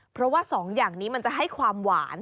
เพราะว่าสองอย่างนี้มันจะให้ความหวาน